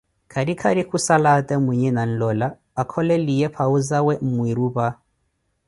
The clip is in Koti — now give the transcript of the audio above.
Khari khari khussala aata mwinhe nanlola akholeliye phau zawe mmwirupa